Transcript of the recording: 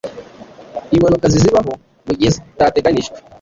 Impanuka zizabaho mugihe zitateganijwe